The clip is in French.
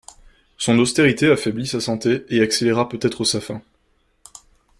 Son austérité affaiblit sa santé et accéléra peut-être sa fin.